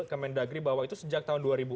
kemendagri bahwa itu sejak tahun dua ribu